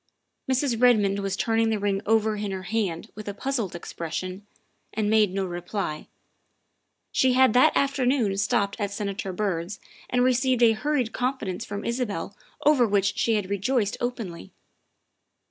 Mrs. Redmond was turning the ring over in her hand with a puzzled expression, and made no reply. She had that afternoon stopped at Senator Byrd's and received a hurried confidence from Isabel over which she had rejoiced openly.